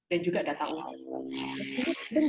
dan juga data uang